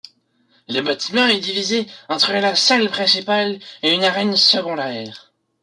Le bâtiment est divisé entre la salle principale et une arène secondaire.